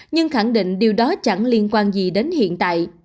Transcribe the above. nhưng khẳng định điều đó chẳng liên quan gì đến hiện tại